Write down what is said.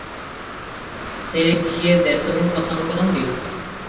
ସେ କିଏ ଦେଶକୁ ପସନ୍ଦ କରନ୍ତି?